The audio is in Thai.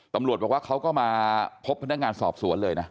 ตำรวจบอกว่าเขาก็มาพบพนักงานสอบสวนเลยนะ